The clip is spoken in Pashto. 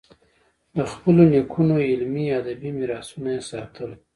د خپلو نیکونو علمي، ادبي میراثونه یې ساتل.